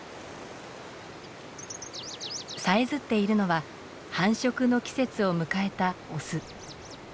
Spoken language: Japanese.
さえずっているのは繁殖の季節を迎えたオス。